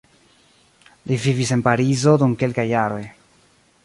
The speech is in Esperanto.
Li vivis en Parizo dum kelkaj jaroj.